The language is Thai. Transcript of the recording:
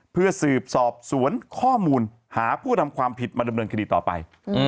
เพื่อสืบสอบสวนข้อมูลหาผู้ทำความผิดมาดำเนินคดีต่อไป